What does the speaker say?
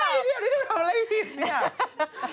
อะไรนี่ที่มันทำอะไรผิดนี่